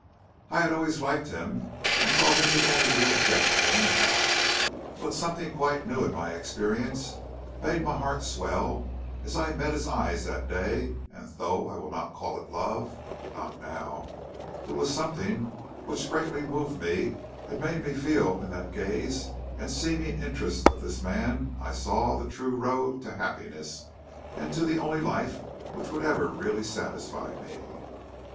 I had always liked him, and thought him the only real gentleman in town, but something quite new in my experience made my heart swell as I met his eyes that day, and though I will not call it love (not now), it was something which greatly moved me and made me feel that in the gaze and seeming interest of this man I saw the true road to happiness and to the only life which would ever really satisfy me.